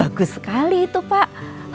bagus sekali itu pak